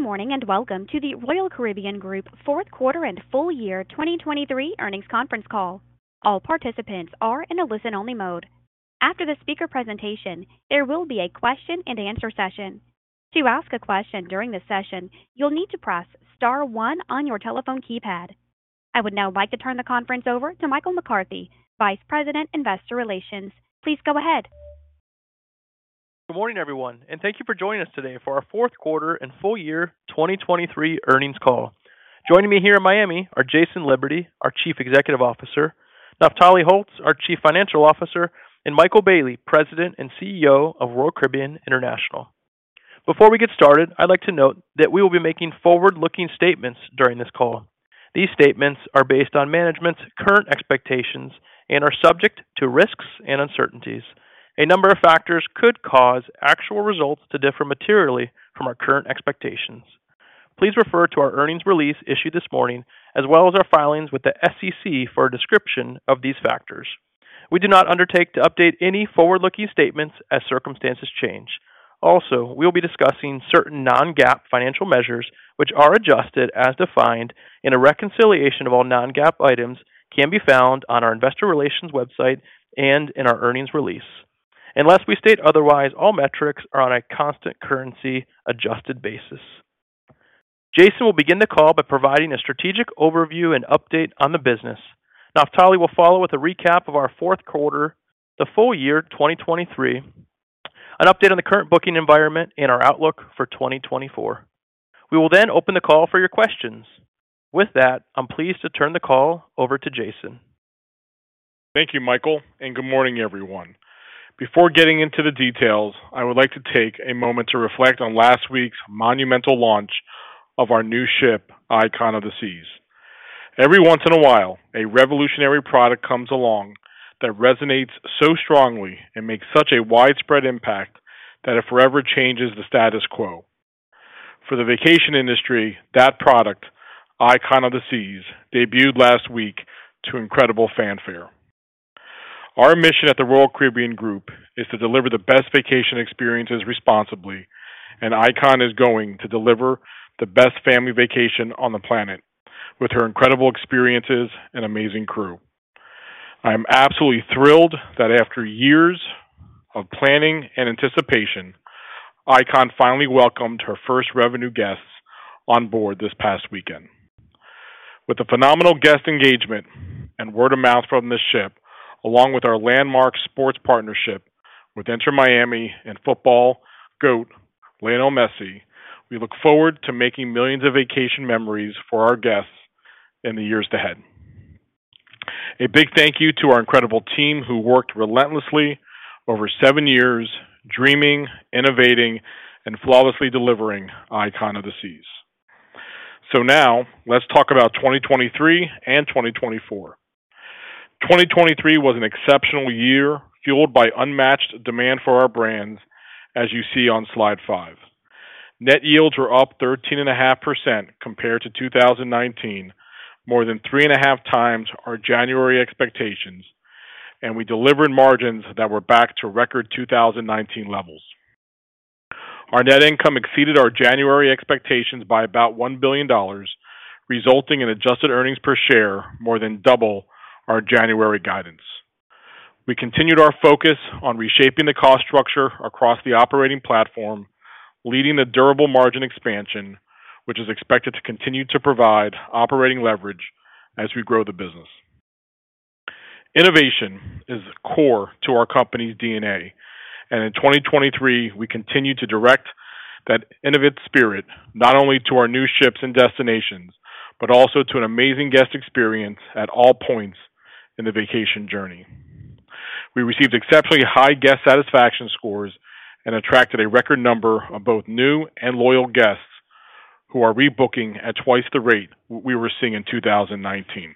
Good morning, and welcome to the Royal Caribbean Group Fourth Quarter and Full Year 2023 Earnings Conference Call. All participants are in a listen-only mode. After the speaker presentation, there will be a question-and-answer session. To ask a question during this session, you'll need to press star one on your telephone keypad. I would now like to turn the conference over to Michael McCarthy, Vice President, Investor Relations. Please go ahead. Good morning, everyone, and thank you for joining us today for our fourth quarter and full year 2023 earnings call. Joining me here in Miami are Jason Liberty, our Chief Executive Officer, Naftali Holtz, our Chief Financial Officer, and Michael Bayley, President and CEO of Royal Caribbean International. Before we get started, I'd like to note that we will be making forward-looking statements during this call. These statements are based on management's current expectations and are subject to risks and uncertainties. A number of factors could cause actual results to differ materially from our current expectations. Please refer to our earnings release issued this morning, as well as our filings with the SEC for a description of these factors. We do not undertake to update any forward-looking statements as circumstances change. Also, we'll be discussing certain non-GAAP financial measures, which are adjusted as defined in a reconciliation of all non-GAAP items, can be found on our investor relations website and in our earnings release. Unless we state otherwise, all metrics are on a constant currency adjusted basis. Jason will begin the call by providing a strategic overview and update on the business. Naftali will follow with a recap of our fourth quarter, the full year 2023, an update on the current booking environment and our outlook for 2024. We will then open the call for your questions. With that, I'm pleased to turn the call over to Jason. Thank you, Michael, and good morning, everyone. Before getting into the details, I would like to take a moment to reflect on last week's monumental launch of our new ship, Icon of the Seas. Every once in a while, a revolutionary product comes along that resonates so strongly and makes such a widespread impact that it forever changes the status quo. For the vacation industry, that product, Icon of the Seas, debuted last week to incredible fanfare. Our mission at the Royal Caribbean Group is to deliver the best vacation experiences responsibly, and Icon is going to deliver the best family vacation on the planet with her incredible experiences and amazing crew. I'm absolutely thrilled that after years of planning and anticipation, Icon finally welcomed her first revenue guests on board this past weekend. With the phenomenal guest engagement and word of mouth from this ship, along with our landmark sports partnership with Inter Miami and football GOAT, Lionel Messi, we look forward to making millions of vacation memories for our guests in the years ahead. A big thank you to our incredible team, who worked relentlessly over seven years, dreaming, innovating, and flawlessly delivering Icon of the Seas. So now let's talk about 2023 and 2024. 2023 was an exceptional year, fueled by unmatched demand for our brands as you see on slide five. Net yields were up 13.5% compared to 2019, more than 3.5x our January expectations, and we delivered margins that were back to record 2019 levels. Our net income exceeded our January expectations by about $1 billion, resulting in adjusted earnings per share, more than double our January guidance. We continued our focus on reshaping the cost structure across the operating platform, leading to durable margin expansion, which is expected to continue to provide operating leverage as we grow the business. Innovation is core to our company's DNA, and in 2023, we continued to direct that innovative spirit not only to our new ships and destinations, but also to an amazing guest experience at all points in the vacation journey. We received exceptionally high guest satisfaction scores and attracted a record number of both new and loyal guests, who are rebooking at twice the rate we were seeing in 2019.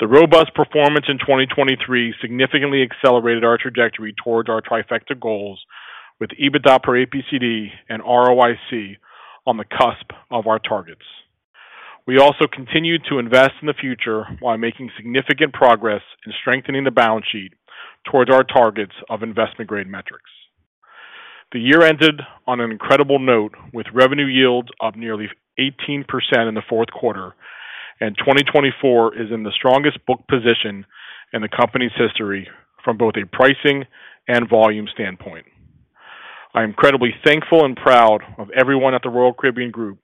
The robust performance in 2023 significantly accelerated our trajectory towards our trifecta goals with EBITDA per APCD and ROIC on the cusp of our targets. We also continued to invest in the future while making significant progress in strengthening the balance sheet towards our targets of investment-grade metrics. The year ended on an incredible note, with revenue yields up nearly 18% in the fourth quarter, and 2024 is in the strongest book position in the company's history from both a pricing and volume standpoint. I'm incredibly thankful and proud of everyone at the Royal Caribbean Group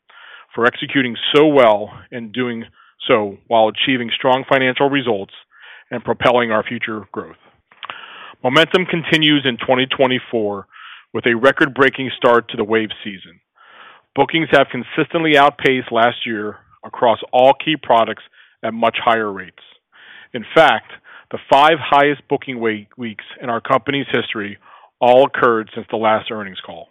for executing so well and doing so while achieving strong financial results and propelling our future growth. Momentum continues in 2024 with a record-breaking start to the wave season. Bookings have consistently outpaced last year across all key products at much higher rates. In fact, the five highest booking weeks in our company's history all occurred since the last earnings call.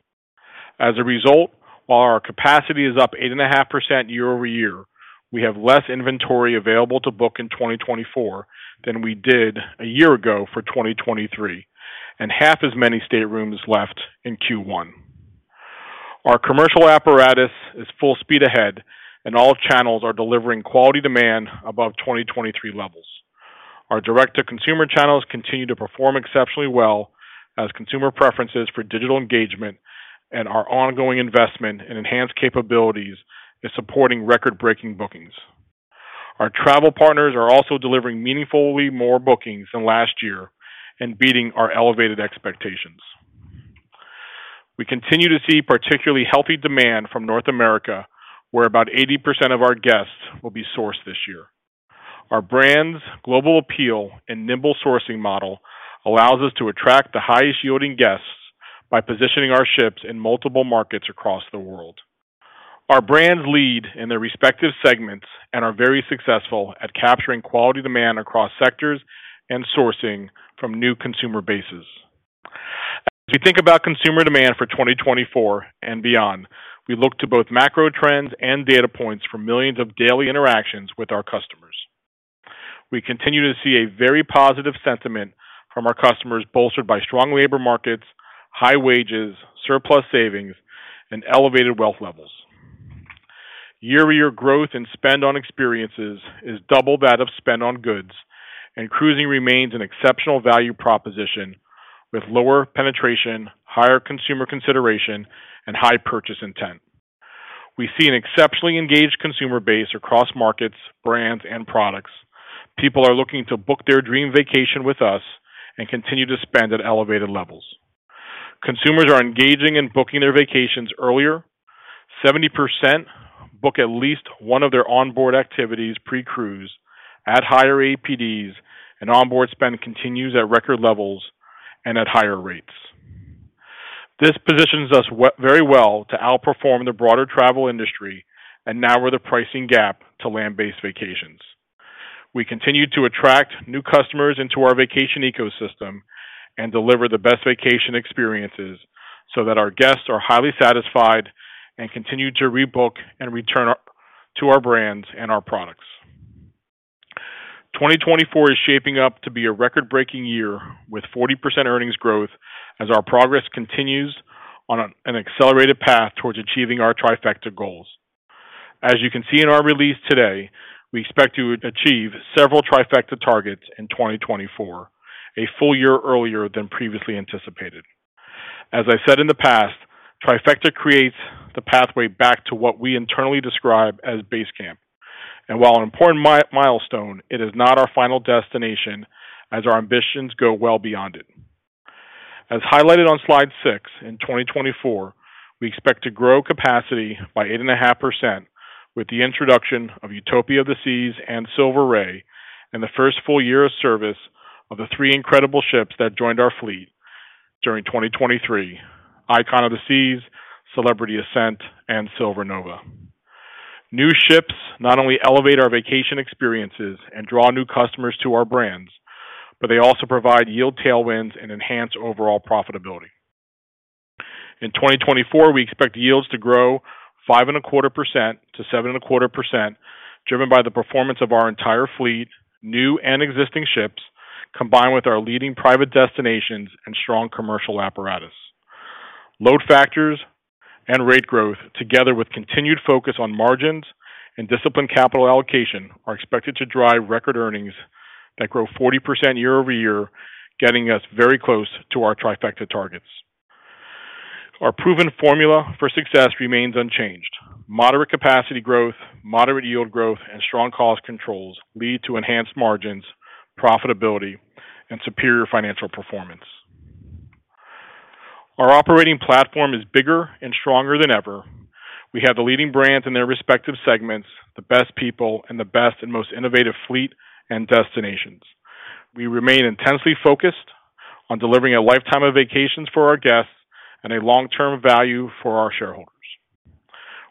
As a result, while our capacity is up 8.5% year-over-year, we have less inventory available to book in 2024 than we did a year ago for 2023, and half as many staterooms left in Q1. Our commercial apparatus is full speed ahead, and all channels are delivering quality demand above 2023 levels. Our direct-to-consumer channels continue to perform exceptionally well as consumer preferences for digital engagement and our ongoing investment in enhanced capabilities is supporting record-breaking bookings. Our travel partners are also delivering meaningfully more bookings than last year and beating our elevated expectations. We continue to see particularly healthy demand from North America, where about 80% of our guests will be sourced this year. Our brands' global appeal and nimble sourcing model allows us to attract the highest-yielding guests by positioning our ships in multiple markets across the world. Our brands lead in their respective segments and are very successful at capturing quality demand across sectors and sourcing from new consumer bases. As we think about consumer demand for 2024 and beyond, we look to both macro trends and data points from millions of daily interactions with our customers. We continue to see a very positive sentiment from our customers, bolstered by strong labor markets, high wages, surplus savings, and elevated wealth levels. Year-over-year growth in spend on experiences is double that of spend on goods, and cruising remains an exceptional value proposition with lower penetration, higher consumer consideration, and high purchase intent. We see an exceptionally engaged consumer base across markets, brands, and products. People are looking to book their dream vacation with us and continue to spend at elevated levels. Consumers are engaging in booking their vacations earlier. 70% book at least one of their onboard activities pre-cruise at higher APDs, and onboard spend continues at record levels and at higher rates. This positions us very well to outperform the broader travel industry and narrow the pricing gap to land-based vacations. We continue to attract new customers into our vacation ecosystem and deliver the best vacation experiences so that our guests are highly satisfied and continue to rebook and return up to our brands and our products. 2024 is shaping up to be a record-breaking year, with 40% earnings growth as our progress continues on an accelerated path towards achieving our Trifecta goals. As you can see in our release today, we expect to achieve several Trifecta targets in 2024, a full year earlier than previously anticipated. As I've said in the past, Trifecta creates the pathway back to what we internally describe as base camp, and while an important milestone, it is not our final destination, as our ambitions go well beyond it. As highlighted on slide six, in 2024, we expect to grow capacity by 8.5% with the introduction of Utopia of the Seas and Silver Ray, and the first full year of service of the three incredible ships that joined our fleet during 2023: Icon of the Seas, Celebrity Ascent, and Silver Nova. New ships not only elevate our vacation experiences and draw new customers to our brands, but they also provide yield tailwinds and enhance overall profitability. In 2024, we expect yields to grow 5.25% to 7.25%, driven by the performance of our entire fleet, new and existing ships, combined with our leading private destinations and strong commercial apparatus. Load factors and rate growth, together with continued focus on margins and disciplined capital allocation, are expected to drive record earnings that grow 40% year-over-year, getting us very close to our Trifecta targets. Our proven formula for success remains unchanged. Moderate capacity growth, moderate yield growth, and strong cost controls lead to enhanced margins, profitability, and superior financial performance. Our operating platform is bigger and stronger than ever. We have the leading brands in their respective segments, the best people, and the best and most innovative fleet and destinations. We remain intensely focused on delivering a lifetime of vacations for our guests and a long-term value for our shareholders.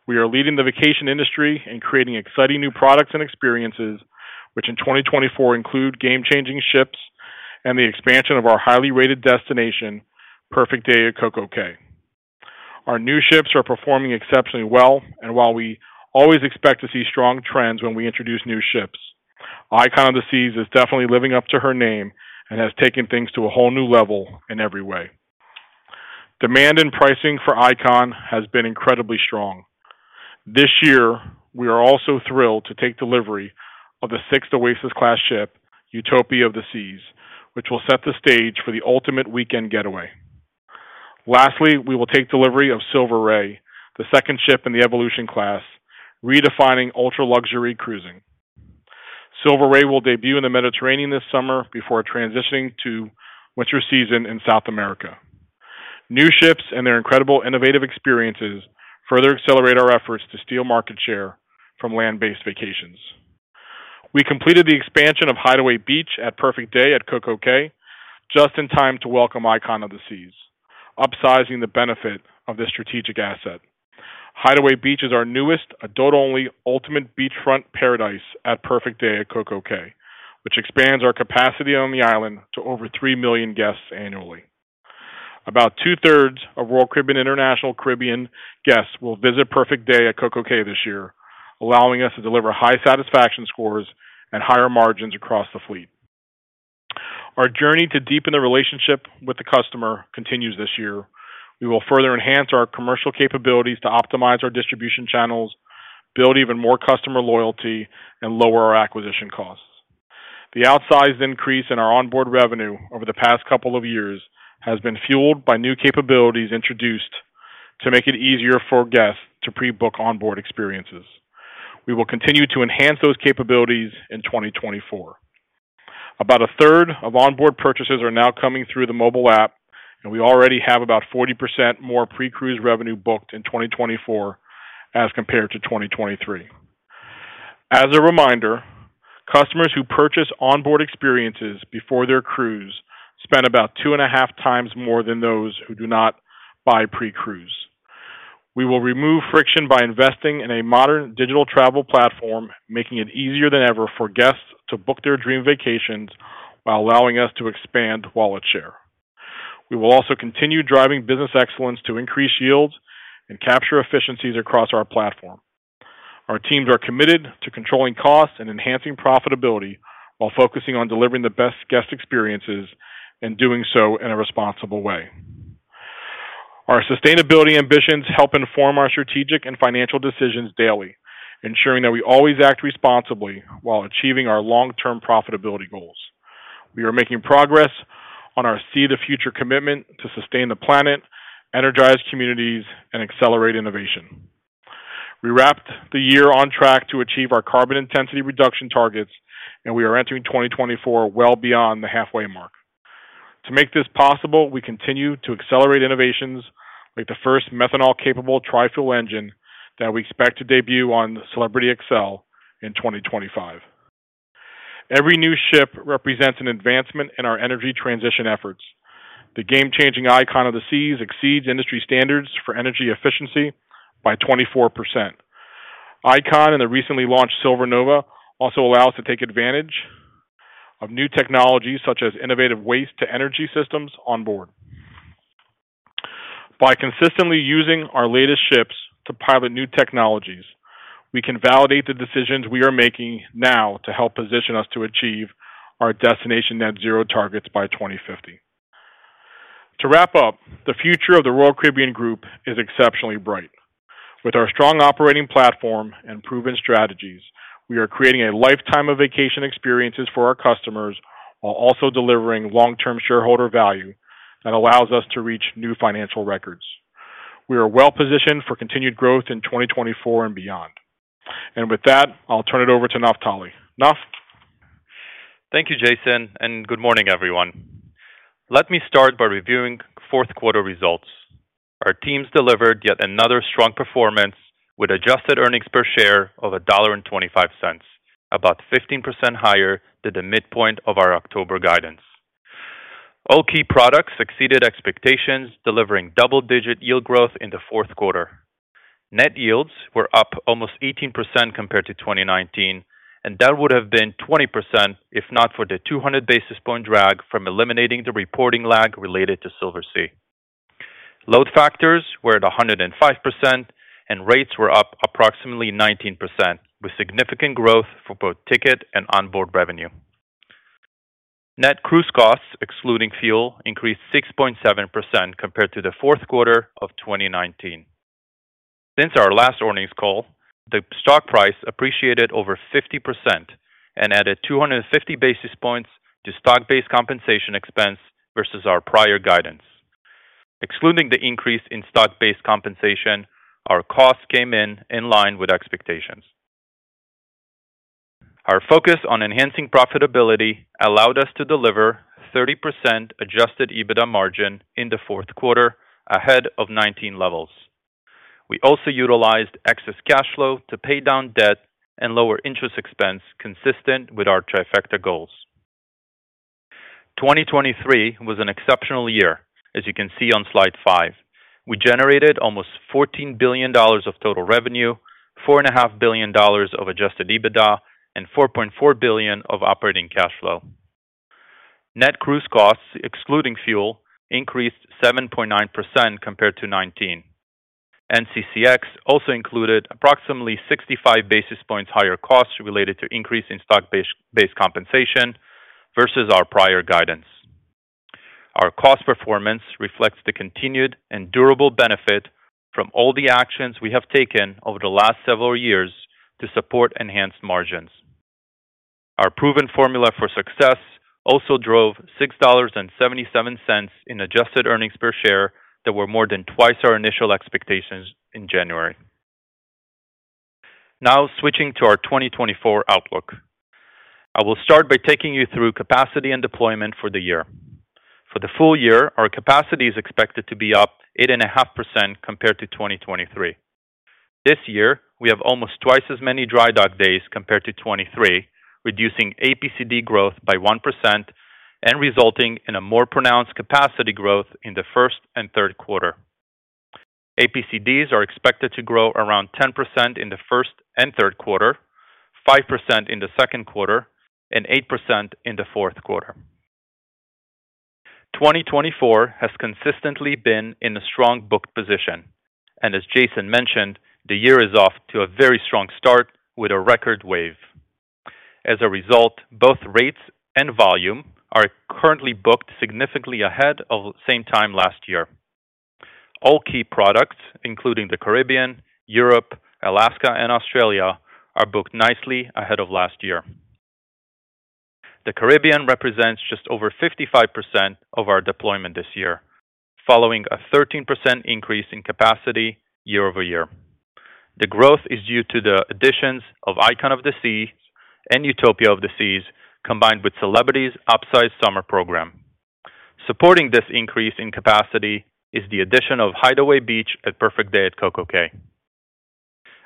We are leading the vacation industry in creating exciting new products and experiences, which in 2024 include game-changing ships and the expansion of our highly rated destination, Perfect Day at CocoCay. Our new ships are performing exceptionally well, and while we always expect to see strong trends when we introduce new ships, Icon of the Seas is definitely living up to her name and has taken things to a whole new level in every way. Demand and pricing for Icon has been incredibly strong. This year, we are also thrilled to take delivery of the sixth Oasis Class ship, Utopia of the Seas, which will set the stage for the ultimate weekend getaway. Lastly, we will take delivery of Silver Ray, the second ship in the Evolution Class, redefining ultra-luxury cruising. Silver Ray will debut in the Mediterranean this summer before transitioning to winter season in South America. New ships and their incredible innovative experiences further accelerate our efforts to steal market share from land-based vacations. We completed the expansion of Hideaway Beach at Perfect Day at CocoCay just in time to welcome Icon of the Seas, upsizing the benefit of this strategic asset. Hideaway Beach is our newest adult-only ultimate beachfront paradise at Perfect Day at CocoCay, which expands our capacity on the island to over three million guests annually. About 2/3 of Royal Caribbean International Caribbean guests will visit Perfect Day at CocoCay this year, allowing us to deliver high satisfaction scores and higher margins across the fleet. Our journey to deepen the relationship with the customer continues this year. We will further enhance our commercial capabilities to optimize our distribution channels, build even more customer loyalty, and lower our acquisition costs. The outsized increase in our onboard revenue over the past couple of years has been fueled by new capabilities introduced to make it easier for guests to pre-book onboard experiences. We will continue to enhance those capabilities in 2024. About a third of onboard purchases are now coming through the mobile app, and we already have about 40% more pre-cruise revenue booked in 2024 as compared to 2023. As a reminder, customers who purchase onboard experiences before their cruise spend about 2.5x more than those who do not buy pre-cruise. We will remove friction by investing in a modern digital travel platform, making it easier than ever for guests to book their dream vacations while allowing us to expand wallet share. We will also continue driving business excellence to increase yields and capture efficiencies across our platform. Our teams are committed to controlling costs and enhancing profitability while focusing on delivering the best guest experiences and doing so in a responsible way. Our sustainability ambitions help inform our strategic and financial decisions daily, ensuring that we always act responsibly while achieving our long-term profitability goals. We are making progress on our SEA the Future commitment to sustain the planet, energize communities, and accelerate innovation. We wrapped the year on track to achieve our carbon intensity reduction targets, and we are entering 2024 well beyond the halfway mark. To make this possible, we continue to accelerate innovations like the first methanol-capable trifuel engine that we expect to debut on Celebrity Xcel in 2025. Every new ship represents an advancement in our energy transition efforts. The game-changing Icon of the Seas exceeds industry standards for energy efficiency by 24%. Icon and the recently launched Silver Nova also allow us to take advantage of new technologies, such as innovative waste-to-energy systems on board. By consistently using our latest ships to pilot new technologies, we can validate the decisions we are making now to help position us to achieve our destination net zero targets by 2050. To wrap up, the future of the Royal Caribbean Group is exceptionally bright. With our strong operating platform and proven strategies, we are creating a lifetime of vacation experiences for our customers, while also delivering long-term shareholder value that allows us to reach new financial records. We are well positioned for continued growth in 2024 and beyond. With that, I'll turn it over to Naftali. Naft? Thank you, Jason, and good morning, everyone. Let me start by reviewing fourth quarter results. Our teams delivered yet another strong performance with adjusted earnings per share of $1.25, about 15% higher than the midpoint of our October guidance. All key products exceeded expectations, delivering double-digit yield growth in the fourth quarter. Net yields were up almost 18% compared to 2019, and that would have been 20% if not for the 200 basis point drag from eliminating the reporting lag related to Silversea. Load factors were at 105%, and rates were up approximately 19%, with significant growth for both ticket and onboard revenue. Net cruise costs, excluding fuel, increased 6.7% compared to the fourth quarter of 2019. Since our last earnings call, the stock price appreciated over 50% and added 250 basis points to stock-based compensation expense versus our prior guidance. Excluding the increase in stock-based compensation, our costs came in line with expectations. Our focus on enhancing profitability allowed us to deliver 30% adjusted EBITDA margin in the fourth quarter, ahead of 2019 levels. We also utilized excess cash flow to pay down debt and lower interest expense, consistent with our Trifecta goals. 2023 was an exceptional year. As you can see on slide five, we generated almost $14 billion of total revenue, $4.5 billion of adjusted EBITDA, and $4.4 billion of operating cash flow. Net cruise costs, excluding fuel, increased 7.9% compared to 2019. NCCX also included approximately 65 basis points higher costs related to increase in stock-based compensation versus our prior guidance. Our cost performance reflects the continued and durable benefit from all the actions we have taken over the last several years to support enhanced margins. Our proven formula for success also drove $6.77 in adjusted earnings per share that were more than twice our initial expectations in January. Now, switching to our 2024 outlook. I will start by taking you through capacity and deployment for the year. For the full year, our capacity is expected to be up 8.5% compared to 2023. This year, we have almost twice as many dry dock days compared to 2023, reducing APCD growth by 1% and resulting in a more pronounced capacity growth in the first and third quarter. APCDs are expected to grow around 10% in the first and third quarter, 5% in the second quarter, and 8% in the fourth quarter. 2024 has consistently been in a strong booked position, and as Jason mentioned, the year is off to a very strong start with a record wave. As a result, both rates and volume are currently booked significantly ahead of the same time last year. All key products, including the Caribbean, Europe, Alaska, and Australia, are booked nicely ahead of last year. The Caribbean represents just over 55% of our deployment this year, following a 13% increase in capacity year-over-year. The growth is due to the additions of Icon of the Seas and Utopia of the Seas, combined with Celebrity's upsized summer program. Supporting this increase in capacity is the addition of Hideaway Beach at Perfect Day at CocoCay.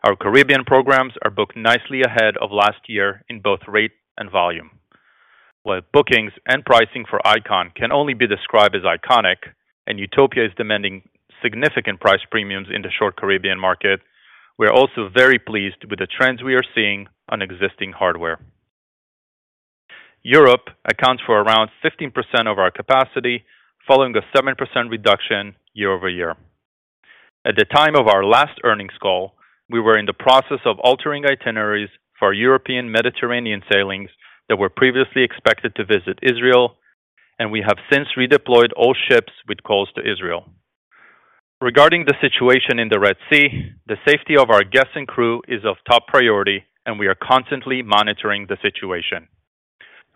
Our Caribbean programs are booked nicely ahead of last year in both rate and volume. While bookings and pricing for Icon can only be described as iconic, and Utopia is demanding significant price premiums in the short Caribbean market, we are also very pleased with the trends we are seeing on existing hardware. Europe accounts for around 15% of our capacity, following a 7% reduction year-over-year. At the time of our last earnings call, we were in the process of altering itineraries for European Mediterranean sailings that were previously expected to visit Israel, and we have since redeployed all ships with calls to Israel. Regarding the situation in the Red Sea, the safety of our guests and crew is of top priority, and we are constantly monitoring the situation.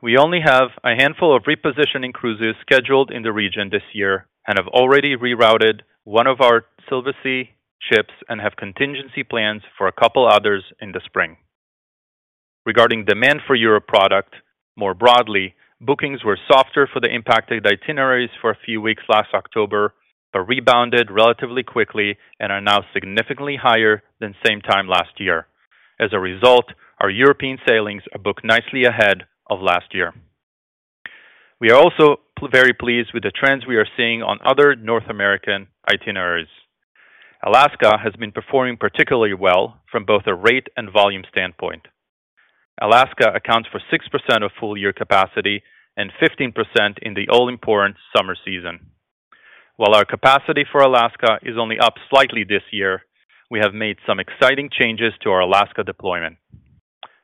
We only have a handful of repositioning cruises scheduled in the region this year and have already rerouted one of our Silversea ships and have contingency plans for a couple others in the spring. Regarding demand for Europe product, more broadly, bookings were softer for the impacted itineraries for a few weeks last October, but rebounded relatively quickly and are now significantly higher than same time last year. As a result, our European sailings are booked nicely ahead of last year. We are also very pleased with the trends we are seeing on other North American itineraries. Alaska has been performing particularly well from both a rate and volume standpoint. Alaska accounts for 6% of full-year capacity and 15% in the all-important summer season. While our capacity for Alaska is only up slightly this year, we have made some exciting changes to our Alaska deployment.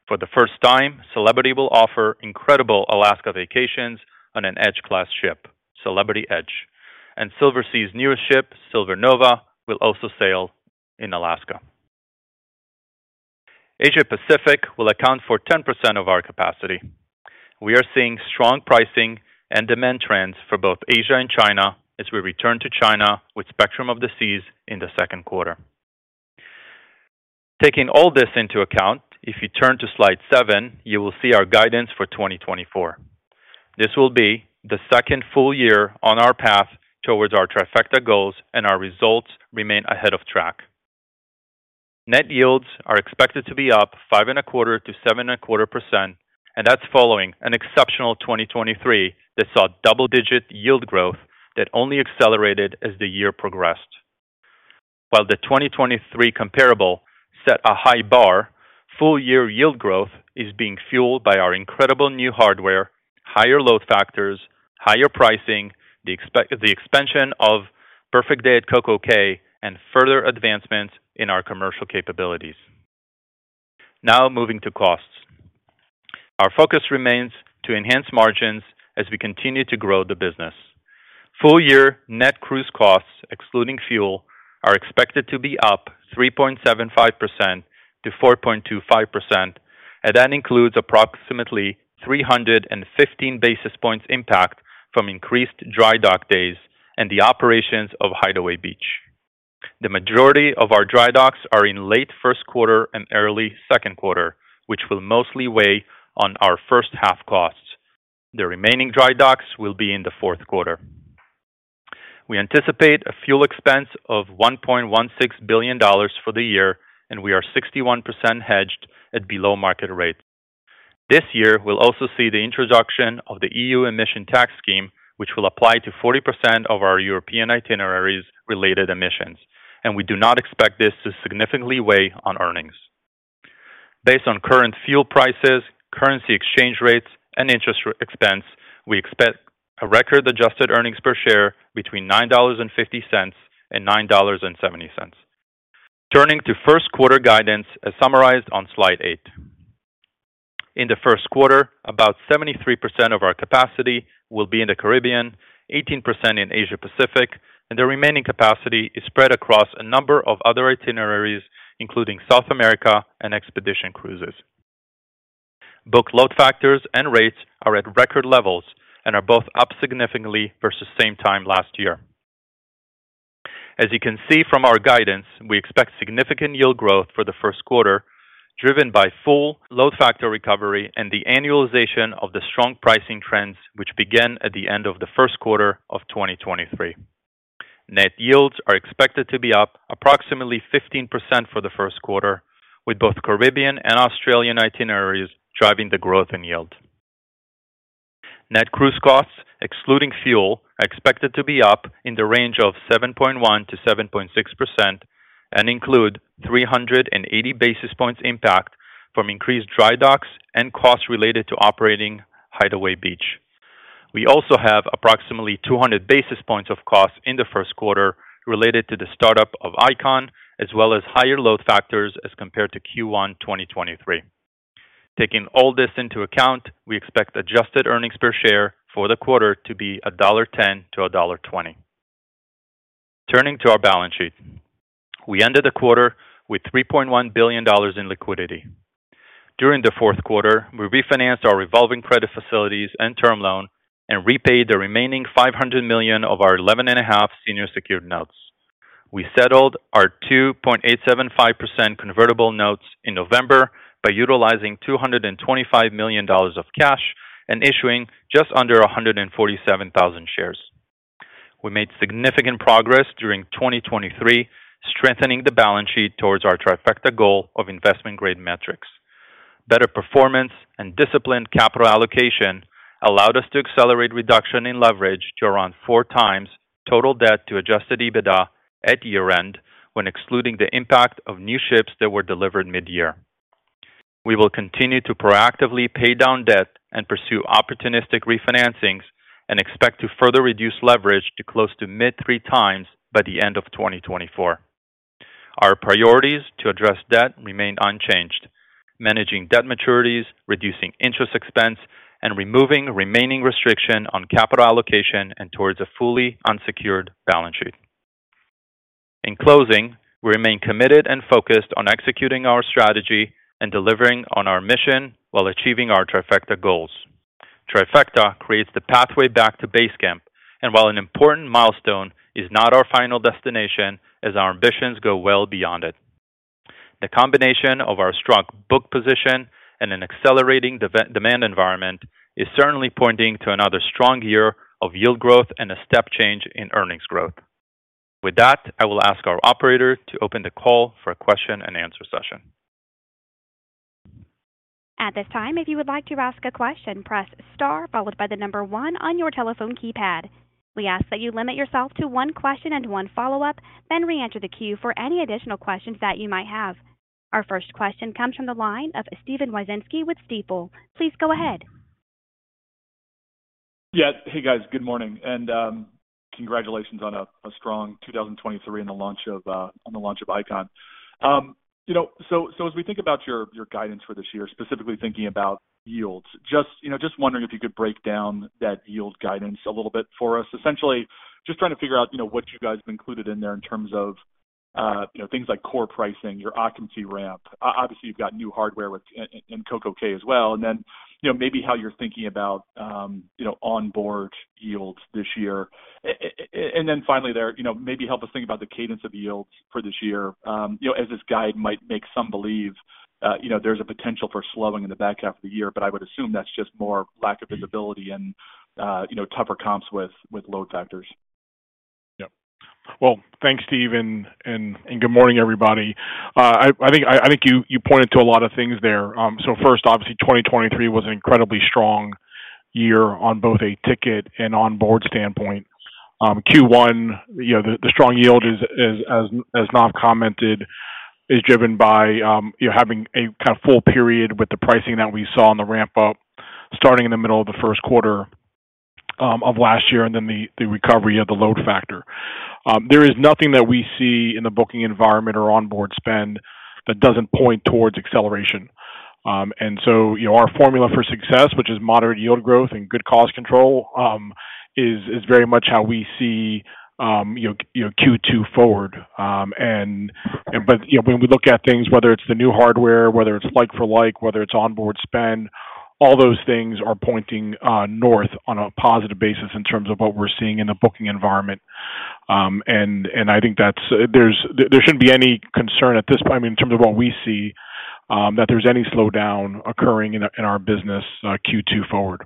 For the first time, Celebrity will offer incredible Alaska vacations on an Edge Class ship, Celebrity Edge, and Silversea's newest ship, Silver Nova, will also sail in Alaska. Asia Pacific will account for 10% of our capacity. We are seeing strong pricing and demand trends for both Asia and China as we return to China with Spectrum of the Seas in the second quarter. Taking all this into account, if you turn to slide seven, you will see our guidance for 2024. This will be the second full year on our path towards our Trifecta goals, and our results remain ahead of track. Net Yields are expected to be up 5.25% to 7.25%, and that's following an exceptional 2023 that saw double-digit yield growth that only accelerated as the year progressed. While the 2023 comparable set a high bar, full-year yield growth is being fueled by our incredible new hardware, higher load factors, higher pricing, the expansion of Perfect Day at CocoCay, and further advancements in our commercial capabilities. Now moving to costs. Our focus remains to enhance margins as we continue to grow the business. Full-year net cruise costs, excluding fuel, are expected to be up 3.75% to 4.25%, and that includes approximately 315 basis points impact from increased dry dock days and the operations of Hideaway Beach. The majority of our dry docks are in late first quarter and early second quarter, which will mostly weigh on our first-half costs. The remaining dry docks will be in the fourth quarter. We anticipate a fuel expense of $1.16 billion for the year, and we are 61% hedged at below-market rates. This year, we'll also see the introduction of the EU Emission Tax Scheme, which will apply to 40% of our European itineraries-related emissions, and we do not expect this to significantly weigh on earnings. Based on current fuel prices, currency exchange rates, and interest expense, we expect a record adjusted earnings per share between $9.50 and $9.70. Turning to first quarter guidance, as summarized on slide eight. In the first quarter, about 73% of our capacity will be in the Caribbean, 18% in Asia Pacific, and the remaining capacity is spread across a number of other itineraries, including South America and expedition cruises. Book load factors and rates are at record levels and are both up significantly versus same time last year. As you can see from our guidance, we expect significant yield growth for the first quarter, driven by full load factor recovery and the annualization of the strong pricing trends, which began at the end of the first quarter of 2023. Net yields are expected to be up approximately 15% for the first quarter, with both Caribbean and Australian itineraries driving the growth in yield. Net cruise costs, excluding fuel, are expected to be up in the range of 7.1% to 7.6% and include 380 basis points impact from increased dry docks and costs related to operating Hideaway Beach. We also have approximately 200 basis points of costs in the first quarter related to the startup of Icon, as well as higher load factors as compared to Q1 2023. Taking all this into account, we expect adjusted earnings per share for the quarter to be $1.10 to $1.20. Turning to our balance sheet. We ended the quarter with $3.1 billion in liquidity. During the fourth quarter, we refinanced our revolving credit facilities and term loan and repaid the remaining $500 million of our 11.5% senior secured notes. We settled our 2.875% convertible notes in November by utilizing $225 million of cash and issuing just under 147,000 shares. We made significant progress during 2023, strengthening the balance sheet towards our Trifecta goal of investment-grade metrics. Better performance and disciplined capital allocation allowed us to accelerate reduction in leverage to around 4x total debt to Adjusted EBITDA at year-end, when excluding the impact of new ships that were delivered mid-year. We will continue to proactively pay down debt and pursue opportunistic refinancings, and expect to further reduce leverage to close to mid-3x by the end of 2024. Our priorities to address debt remain unchanged: managing debt maturities, reducing interest expense, and removing remaining restriction on capital allocation and towards a fully unsecured balance sheet. In closing, we remain committed and focused on executing our strategy and delivering on our mission while achieving our Trifecta goals. Trifecta creates the pathway back to base camp, and while an important milestone, is not our final destination as our ambitions go well beyond it. The combination of our strong book position and an accelerating demand environment is certainly pointing to another strong year of yield growth and a step change in earnings growth. With that, I will ask our operator to open the call for a question-and-answer session. At this time, if you would like to ask a question, press star, followed by the number one on your telephone keypad. We ask that you limit yourself to one question and one follow-up, then reenter the queue for any additional questions that you might have. Our first question comes from the line of Steven Wieczynski with Stifel. Please go ahead. Yeah. Hey, guys. Good morning, and congratulations on a strong 2023 and the launch of Icon. You know, as we think about your guidance for this year, specifically thinking about yields, just wondering if you could break down that yield guidance a little bit for us. Essentially, just trying to figure out, you know, what you guys have included in there in terms of things like core pricing, your occupancy ramp. Obviously, you've got new hardware with and CocoCay as well, and then, you know, maybe how you're thinking about onboard yields this year. And then finally there, you know, maybe help us think about the cadence of yields for this year. You know, as this guide might make some believe, you know, there's a potential for slowing in the back half of the year, but I would assume that's just more lack of visibility and, you know, tougher comps with load factors. Yep. Well, thanks, Steve, and good morning, everybody. I think you pointed to a lot of things there. So first, obviously, 2023 was an incredibly strong year on both a ticket and onboard standpoint. Q1, you know, the strong yield is, as Naft commented, driven by you having a kind of full period with the pricing that we saw on the ramp-up, starting in the middle of the first quarter of last year, and then the recovery of the load factor. There is nothing that we see in the booking environment or onboard spend that doesn't point towards acceleration. And so, you know, our formula for success, which is moderate yield growth and good cost control, is very much how we see you know, Q2 forward. But, you know, when we look at things, whether it's the new hardware, whether it's like for like, whether it's onboard spend, all those things are pointing north on a positive basis in terms of what we're seeing in the booking environment. And I think there shouldn't be any concern at this point, I mean, in terms of what we see, that there's any slowdown occurring in our business Q2 forward.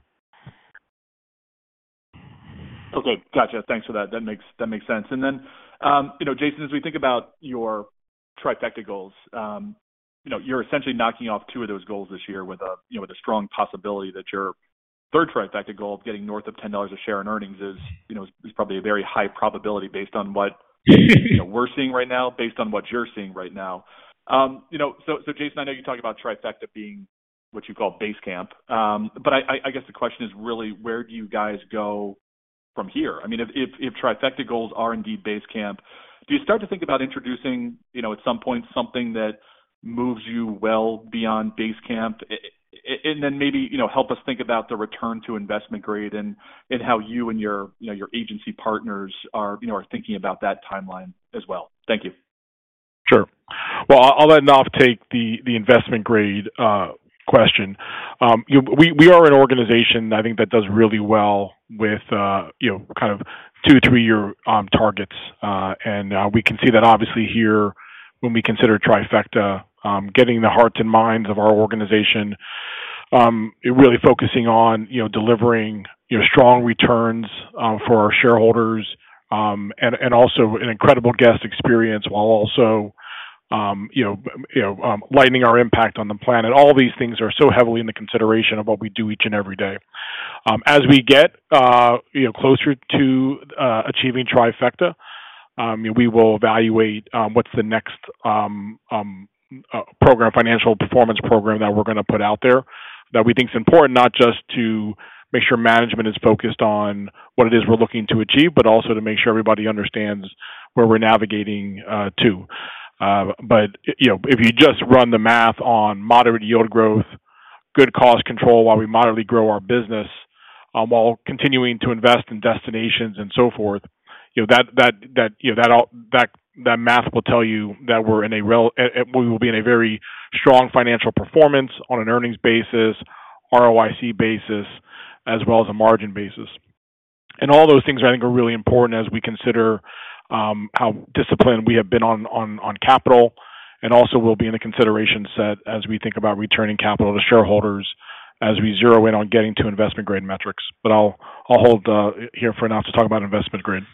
Okay. Gotcha. Thanks for that. That makes, that makes sense. And then, you know, Jason, as we think about your Trifecta goals, you know, you're essentially knocking off two of those goals this year with a, you know, with a strong possibility that your third Trifecta goal of getting north of $10 a share in earnings is, you know, is probably a very high probability based on what you know, we're seeing right now, based on what you're seeing right now. You know, so, so Jason, I know you talk about Trifecta being what you call base camp, but I guess the question is really, where do you guys go from here? I mean, if Trifecta goals are indeed base camp, do you start to think about introducing, you know, at some point, something that moves you well beyond base camp? And then maybe, you know, help us think about the return to investment grade and how you and your, you know, your agency partners are, you know, thinking about that timeline as well. Thank you. Sure. Well, I'll let Naft take the, the investment grade question. You know, we, we are an organization, I think, that does really well with, you know, kind of two to 3-year targets, and, we can see that obviously here when we consider Trifecta, getting the hearts and minds of our organization, really focusing on, you know, delivering, you know, strong returns, for our shareholders, and, and also an incredible guest experience while also, you know, you know, lightening our impact on the planet. All these things are so heavily in the consideration of what we do each and every day. As we get, you know, closer to achieving trifecta, we will evaluate what's the next program, financial performance program that we're going to put out there, that we think is important, not just to make sure management is focused on what it is we're looking to achieve, but also to make sure everybody understands where we're Naftigating to. But, you know, if you just run the math on moderate yield growth, good cost control while we moderately grow our business, while continuing to invest in destinations and so forth, you know, that math will tell you that we will be in a very strong financial performance on an earnings basis, ROIC basis, as well as a margin basis. All those things I think are really important as we consider how disciplined we have been on capital, and also will be in the consideration set as we think about returning capital to shareholders as we zero in on getting to investment-grade metrics. I'll hold here for Naftali to talk about investment grade.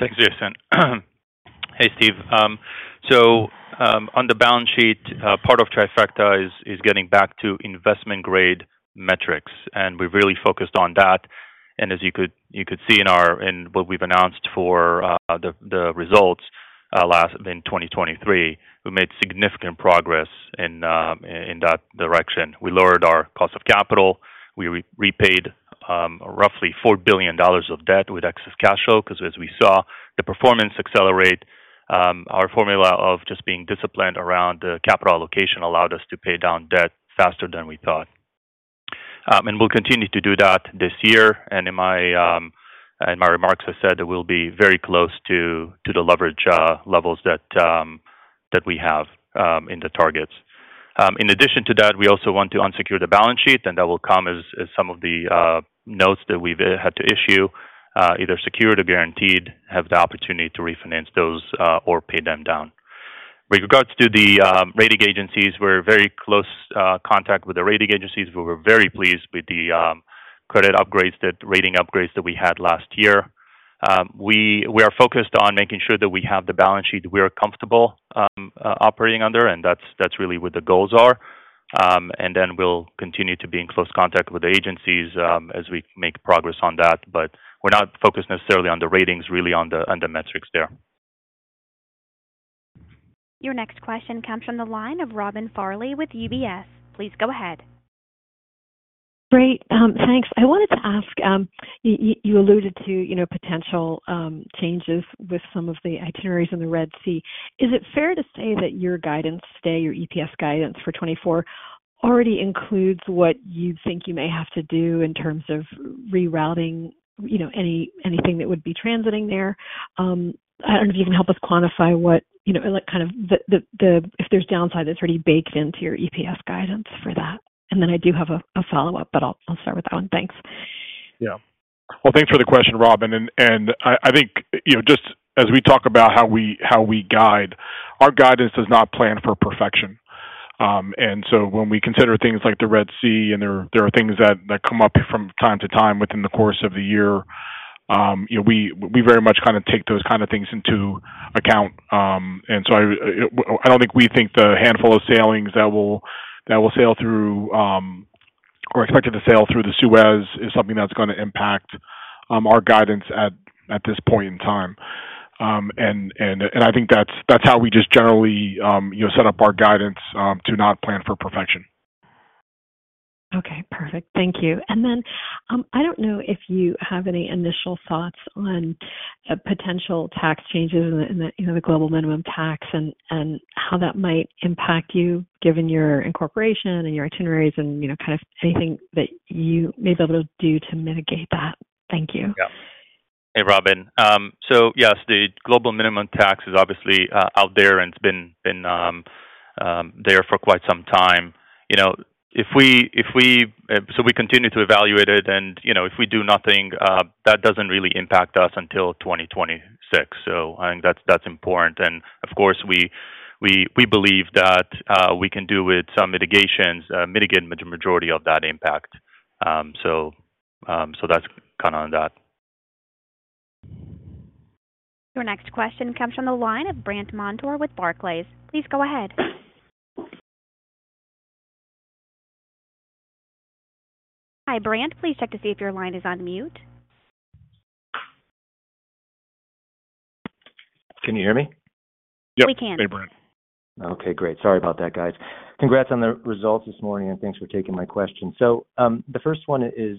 Thanks, Jason. Hey, Steve. So, on the balance sheet, part of Trifecta is getting back to investment-grade metrics, and we're really focused on that. And as you could see in our, in what we've announced for the results last in 2023, we made significant progress in that direction. We lowered our cost of capital. We repaid roughly $4 billion of debt with excess cash flow, because as we saw the performance accelerate, our formula of just being disciplined around capital allocation allowed us to pay down debt faster than we thought. And we'll continue to do that this year, and in my remarks, I said that we'll be very close to the leverage levels that we have in the targets. In addition to that, we also want to unsecure the balance sheet, and that will come as some of the notes that we've had to issue either secured or guaranteed have the opportunity to refinance those or pay them down. With regards to the rating agencies, we're in very close contact with the rating agencies. We were very pleased with the credit and rating upgrades that we had last year. We are focused on making sure that we have the balance sheet we are comfortable operating under, and that's really what the goals are. And then we'll continue to be in close contact with the agencies as we make progress on that. But we're not focused necessarily on the ratings, really on the metrics there. Your next question comes from the line of Robin Farley with UBS. Please go ahead. Great, thanks. I wanted to ask, you alluded to, you know, potential changes with some of the itineraries in the Red Sea. Is it fair to say that your guidance today, your EPS guidance for 2024, already includes what you think you may have to do in terms of rerouting, you know, anything that would be transiting there? I don't know if you can help us quantify what, you know, like, the downside that's already baked into your EPS guidance for that. And then I do have a follow-up, but I'll start with that one. Thanks. Yeah. Well, thanks for the question, Robin. And I think, you know, just as we talk about how we guide, our guidance does not plan for perfection. And so when we consider things like the Red Sea, and there are things that come up from time to time within the course of the year, you know, we very much kind of take those kind of things into account. And so I don't think we think the handful of sailings that will sail through or expected to sail through the Suez is something that's going to impact our guidance at this point in time. And I think that's how we just generally, you know, set up our guidance to not plan for perfection. Okay, perfect. Thank you. And then, I don't know if you have any initial thoughts on the potential tax changes and the, you know, the global minimum tax and how that might impact you given your incorporation and your itineraries and, you know, kind of anything that you may be able to do to mitigate that. Thank you. Yeah. Hey, Robin. So yes, the global minimum tax is obviously out there, and it's been there for quite some time. You know, if we, if we, so we continue to evaluate it and, you know, if we do nothing, that doesn't really impact us until 2026. So I think that's important. And of course, we, we, we believe that, we can do with some mitigations, mitigate majority of that impact. So, so that's kind of on that. Your next question comes from the line of Brandt Montour with Barclays. Please go ahead. Hi, Brandt. Please check to see if your line is on mute. Can you hear me? We can. Yep. Hey, Brandt. Okay, great. Sorry about that, guys. Congrats on the results this morning, and thanks for taking my question. So, the first one is,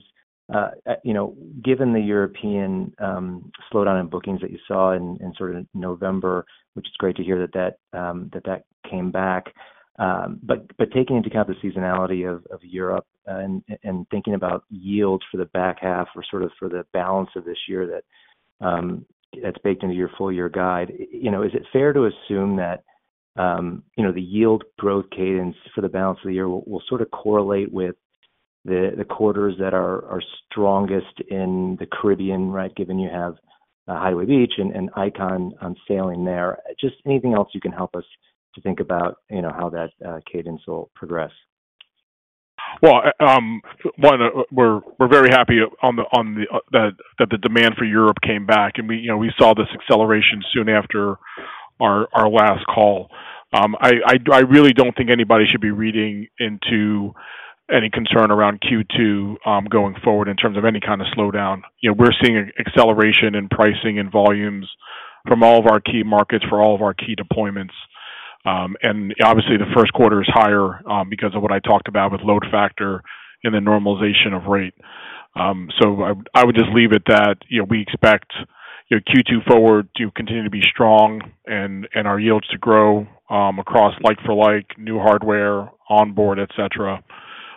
you know, given the European slowdown in bookings that you saw in sort of November, which is great to hear that that came back. But taking into account the seasonality of Europe and thinking about yields for the back half or sort of for the balance of this year, that's baked into your full year guide, you know, is it fair to assume that, you know, the yield growth cadence for the balance of the year will sort of correlate with the quarters that are strongest in the Caribbean, right? Given you have Hideaway Beach and Icon on sailing there. Just anything else you can help us to think about, you know, how that cadence will progress. Well, one, we're very happy that the demand for Europe came back, and we, you know, saw this acceleration soon after our last call. I really don't think anybody should be reading into any concern around Q2 going forward in terms of any kind of slowdown. You know, we're seeing an acceleration in pricing and volumes from all of our key markets for all of our key deployments. And obviously, the first quarter is higher because of what I talked about with load factor and the normalization of rate. So I would just leave it that, you know, we expect, you know, Q2 forward to continue to be strong and our yields to grow across like-for-like, new hardware, onboard, et cetera.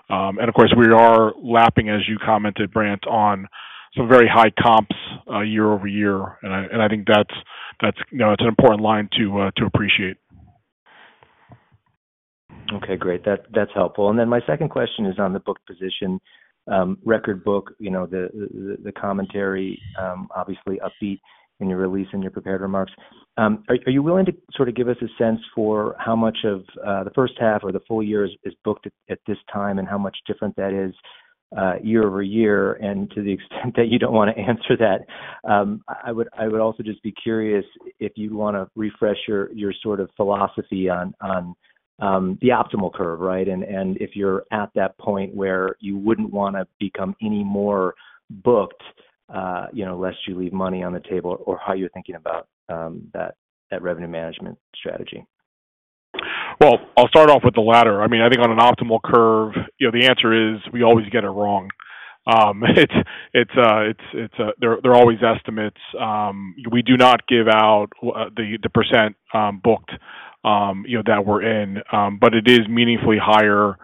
And of course, we are lapping, as you commented, Brandt, on some very high comps year-over-year, and I think that's, you know, it's an important line to appreciate. Okay, great. That, that's helpful. And then my second question is on the book position. Record book, you know, the commentary, obviously upbeat in your release in your prepared remarks. Are you willing to sort of give us a sense for how much of the first half or the full year is booked at this time, and how much different that is year-over-year? And to the extent that you don't wanna answer that, I would also just be curious if you'd wanna refresh your sort of philosophy on the optimal curve, right? And if you're at that point where you wouldn't wanna become any more booked, you know, lest you leave money on the table or how you're thinking about that revenue management strategy. Well, I'll start off with the latter. I mean, I think on an optimal curve, you know, the answer is we always get it wrong. They're always estimates. We do not give out the percent booked, you know, that we're in. But it is meaningfully higher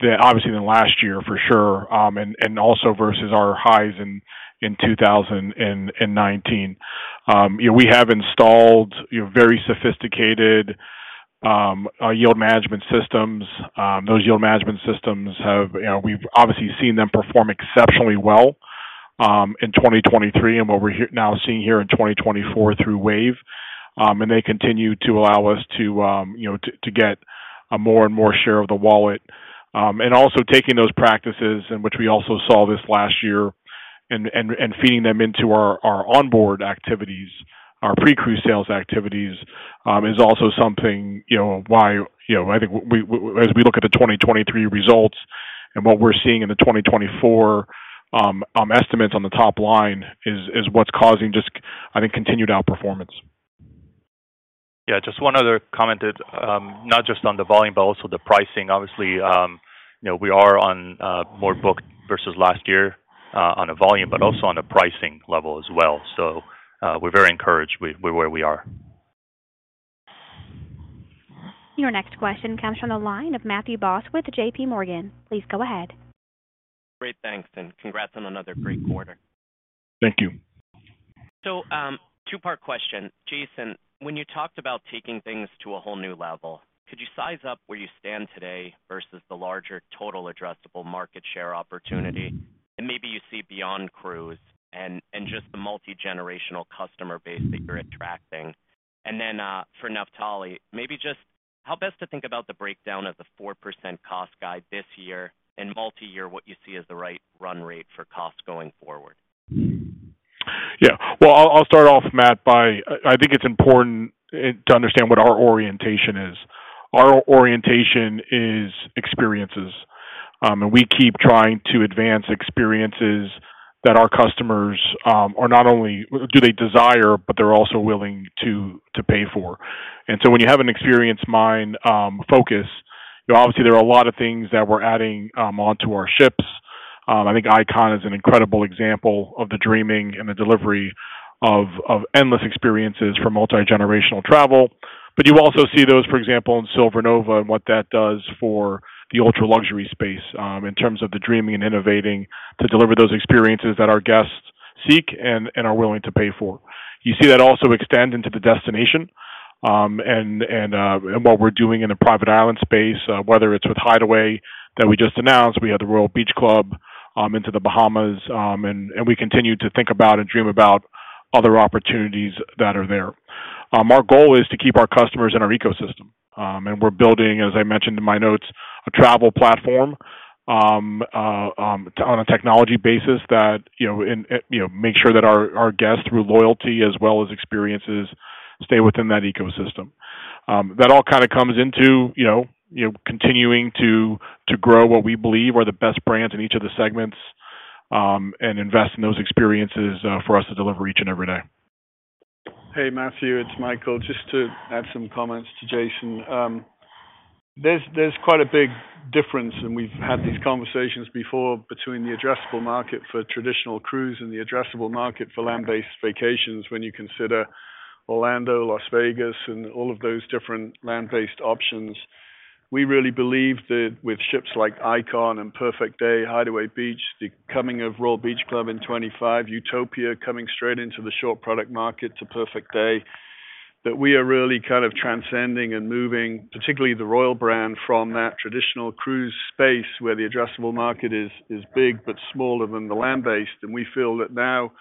than, obviously, than last year, for sure, and also versus our highs in 2019. You know, we have installed, you know, very sophisticated yield management systems. Those yield management systems have, you know, we've obviously seen them perform exceptionally well in 2023 and what we're now seeing here in 2024 through Wave. And they continue to allow us to, you know, to get a more and more share of the wallet. And also taking those practices in which we also saw this last year and feeding them into our onboard activities, our pre-cruise sales activities, is also something, you know, why, you know, I think as we look at the 2023 results and what we're seeing in the 2024 estimates on the top line is what's causing just, I think, continued outperformance. Yeah, just one other comment that, not just on the volume, but also the pricing. Obviously, you know, we are on more booked versus last year, on a volume, but also on a pricing level as well. So, we're very encouraged with where we are. Your next question comes from the line of Matthew Boss with JP Morgan. Please go ahead. Great, thanks, and congrats on another great quarter. Thank you. Two-part question. Jason, when you talked about taking things to a whole new level, could you size up where you stand today versus the larger total addressable market share opportunity, and maybe you see beyond cruise and, and just the multigenerational customer base that you're attracting? And then, for Naftali, maybe just how best to think about the breakdown of the 4% cost guide this year and multiyear, what you see as the right run rate for cost going forward? Yeah. Well, I'll start off, Matt, by I think it's important to understand what our orientation is. Our orientation is experiences, and we keep trying to advance experiences that our customers are not only do they desire, but they're also willing to pay for. And so when you have an experience mind focus, you know, obviously there are a lot of things that we're adding onto our ships. I think Icon is an incredible example of the dreaming and the delivery of endless experiences for multigenerational travel. But you also see those, for example, in Silver Nova and what that does for the ultra-luxury space, in terms of the dreaming and innovating to deliver those experiences that our guests seek and are willing to pay for. You see that also extend into the destination, and what we're doing in the private island space, whether it's with Hideaway that we just announced. We had the Royal Beach Club into the Bahamas, and we continue to think about and dream about other opportunities that are there. Our goal is to keep our customers in our ecosystem, and we're building, as I mentioned in my notes, a travel platform on a technology basis that, you know, and you know, make sure that our guests, through loyalty as well as experiences, stay within that ecosystem. That all kinda comes into, you know, you know, continuing to grow what we believe are the best brands in each of the segments, and invest in those experiences, for us to deliver each and every day. Hey, Matthew, it's Michael. Just to add some comments to Jason. There's quite a big difference, and we've had these conversations before between the addressable market for traditional cruise and the addressable market for land-based vacations when you consider Orlando, Las Vegas, and all of those different land-based options. We really believe that with ships like Icon and Perfect Day, Hideaway Beach, the coming of Royal Beach Club in 2025, Utopia coming straight into the short product market to Perfect Day, that we are really kind of transcending and moving, particularly the Royal brand, from that traditional cruise space where the addressable market is big, but smaller than the land-based. And we feel that now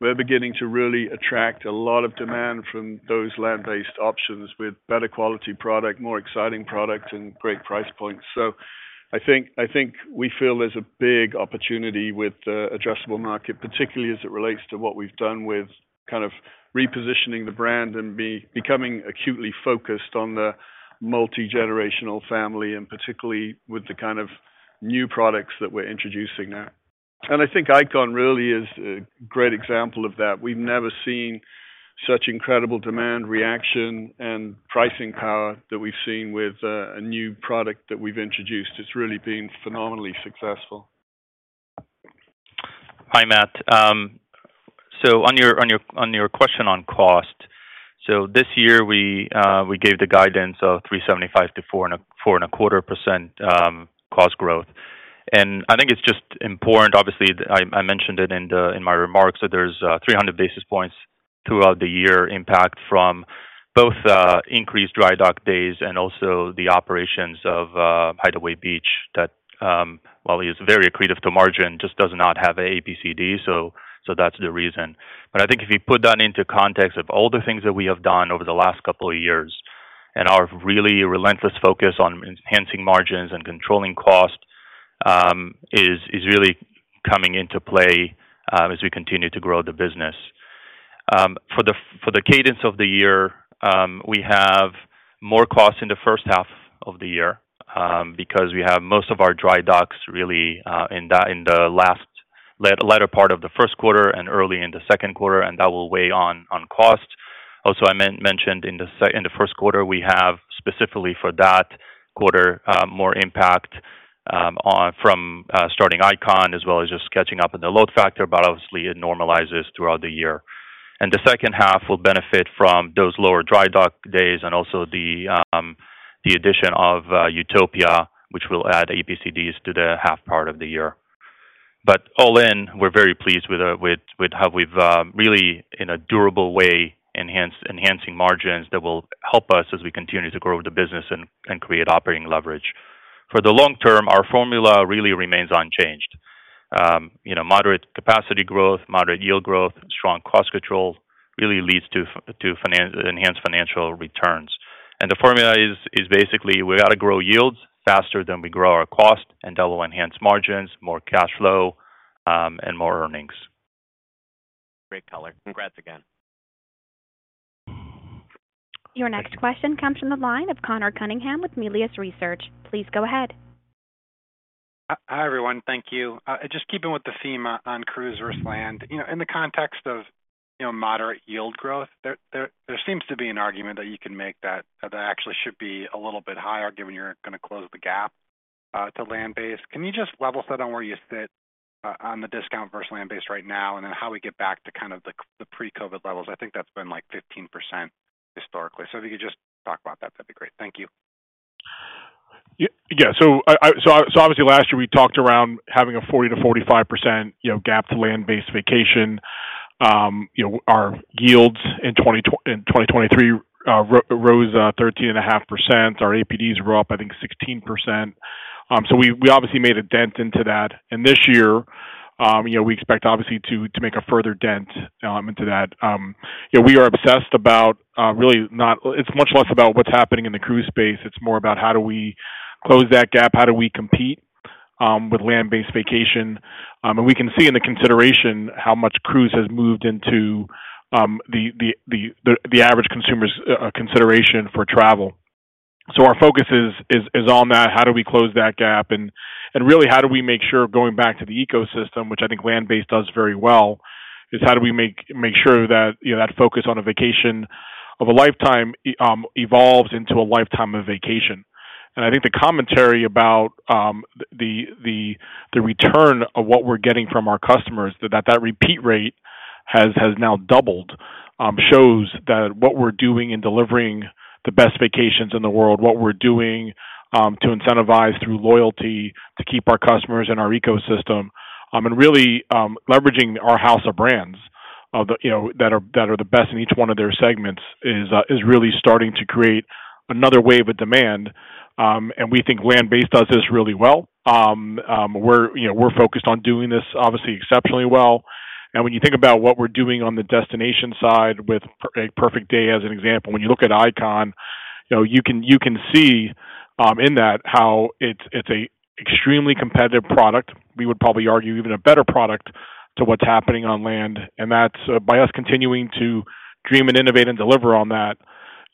we're beginning to really attract a lot of demand from those land-based options with better quality product, more exciting product, and great price points. So- I think we feel there's a big opportunity with the addressable market, particularly as it relates to what we've done with kind of repositioning the brand and becoming acutely focused on the multigenerational family and particularly with the kind of new products that we're introducing now. I think Icon really is a great example of that. We've never seen such incredible demand, reaction, and pricing power that we've seen with a new product that we've introduced. It's really been phenomenally successful. Hi, Matt. So on your question on cost. So this year we gave the guidance of 3.75% to 4.25% cost growth. And I think it's just important, obviously, I mentioned it in the in my remarks, that there's 300 basis points throughout the year impact from both increased dry dock days and also the operations of Hideaway Beach, that while it's very accretive to margin, just does not have APCD, so that's the reason. But I think if you put that into context of all the things that we have done over the last couple of years and our really relentless focus on enhancing margins and controlling cost is really coming into play as we continue to grow the business. For the cadence of the year, we have more costs in the first half of the year because we have most of our dry docks really in the latter part of the first quarter and early in the second quarter, and that will weigh on cost. Also, I mentioned in the first quarter, we have specifically for that quarter more impact from starting Icon as well as just catching up in the load factor, but obviously it normalizes throughout the year. And the second half will benefit from those lower dry dock days and also the addition of Utopia, which will add APCDs to the half part of the year. But all in, we're very pleased with, with how we've, really in a durable way, enhancing margins that will help us as we continue to grow the business and, and create operating leverage. For the long term, our formula really remains unchanged. You know, moderate capacity growth, moderate yield growth, strong cost control, really leads to, enhanced financial returns. And the formula is, is basically we got to grow yields faster than we grow our cost, and that will enhance margins, more cash flow, and more earnings. Great color. Congrats again. Your next question comes from the line of Conor Cunningham with Melius Research. Please go ahead. Hi, everyone. Thank you. Just keeping with the theme on, on cruise versus land. You know, in the context of, you know, moderate yield growth, there, there, there seems to be an argument that you can make that, that actually should be a little bit higher, given you're gonna close the gap, to land-based. Can you just level set on where you sit, on the discount versus land-based right now, and then how we get back to kind of the, the pre-COVID levels? I think that's been, like, 15% historically. So if you could just talk about that, that'd be great. Thank you. Yeah, so obviously, last year we talked around having a 40% to 45%, you know, gap to land-based vacation. You know, our yields in 2023 rose 13.5%. Our APDs were up, I think, 16%. So we obviously made a dent into that. And this year, you know, we expect obviously to make a further dent into that. You know, we are obsessed about really not-- It's much less about what's happening in the cruise space. It's more about how do we close that gap, how do we compete with land-based vacation? And we can see in the consideration how much cruise has moved into the average consumer's consideration for travel. So our focus is on that. How do we close that gap? And really, how do we make sure going back to the ecosystem, which I think land-based does very well, is how do we make sure that, you know, that focus on a vacation of a lifetime evolves into a lifetime of vacation? And I think the commentary about the return of what we're getting from our customers, that repeat rate has now doubled, shows that what we're doing in delivering the best vacations in the world, what we're doing to incentivize through loyalty, to keep our customers in our ecosystem, and really leveraging our house of brands, you know, that are the best in each one of their segments, is really starting to create another wave of demand, and we think land-based does this really well. You know, we're focused on doing this, obviously, exceptionally well. When you think about what we're doing on the destination side with a Perfect Day, as an example, when you look at Icon, you know, you can, you can see in that how it's, it's a extremely competitive product. We would probably argue even a better product to what's happening on land, and that's by us continuing to dream and innovate and deliver on that,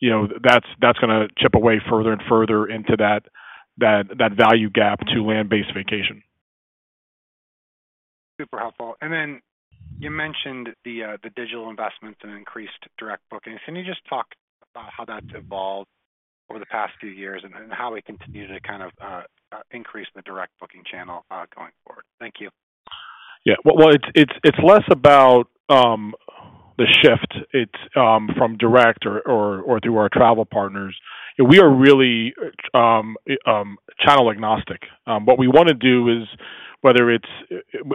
you know, that's, that's gonna chip away further and further into that, that, that value gap to land-based vacation. Super helpful. And then you mentioned the, the digital investments and increased direct bookings. Can you just talk about how that's evolved over the past few years and, and how we continue to kind of, increase the direct booking channel, going forward? Thank you. Yeah. Well, it's less about the shift from direct or through our travel partners. We are really channel agnostic. What we wanna do is whether it's—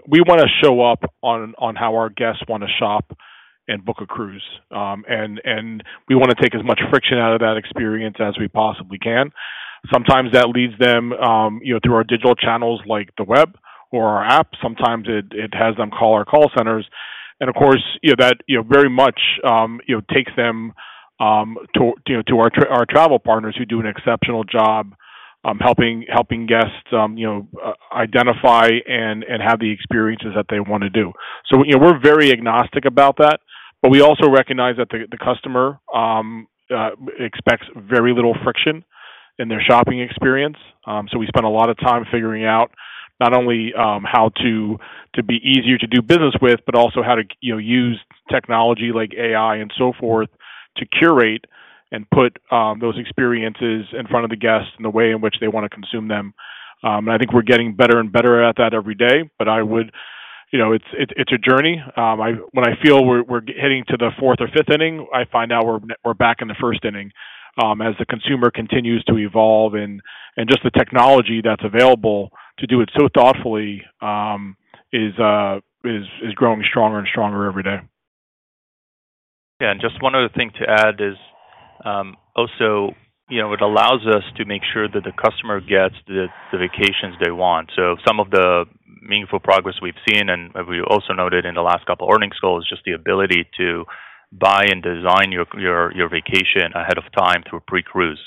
We wanna show up on how our guests wanna shop and book a cruise. And we wanna take as much friction out of that experience as we possibly can. Sometimes that leads them, you know, through our digital channels, like the web or our app. Sometimes it has them call our call centers. And of course, you know, that you know very much takes them to our travel partners who do an exceptional job helping guests identify and have the experiences that they want to do. So, you know, we're very agnostic about that, but we also recognize that the customer expects very little friction in their shopping experience. So we spend a lot of time figuring out not only how to be easier to do business with, but also how to, you know, use technology like AI and so forth, to curate and put those experiences in front of the guests in the way in which they want to consume them. And I think we're getting better and better at that every day, but I would- you know, it's a journey. When I feel we're heading to the fourth or fifth inning, I find out we're back in the first inning, as the consumer continues to evolve and just the technology that's available to do it so thoughtfully is growing stronger and stronger every day. Yeah, and just one other thing to add is, also, you know, it allows us to make sure that the customer gets the vacations they want. So some of the meaningful progress we've seen, and we also noted in the last couple of earnings calls, is just the ability to buy and design your vacation ahead of time through pre-cruise.